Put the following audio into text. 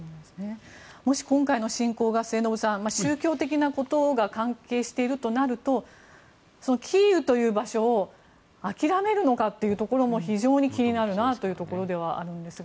もし今回の侵攻が末延さん、宗教的なことが関係しているとなるとキーウという場所を諦めるのかというところも非常に気になるなというところではあるんですが。